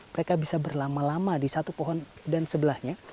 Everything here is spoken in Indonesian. mereka bisa berlama lama di satu pohon dan sebelahnya